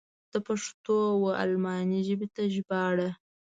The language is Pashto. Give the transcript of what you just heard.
د پښتو و الماني ژبې ته ژباړه.